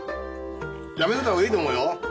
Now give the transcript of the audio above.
やめといた方がいいと思うよ。